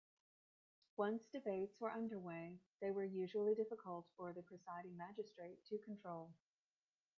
Once debates were underway, they were usually difficult for the presiding magistrate to control.